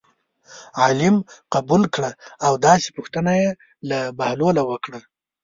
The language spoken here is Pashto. عالم قبول کړه او داسې پوښتنه یې د بهلول نه وکړه.